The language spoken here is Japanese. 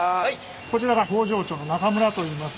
こちらが工場長の中村といいます。